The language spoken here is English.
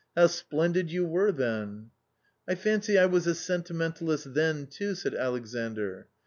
How splendid you were then 1 " "I fancy I was a sentimentalist then, too," said Alexandr.